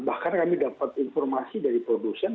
bahkan kami dapat informasi dari produsen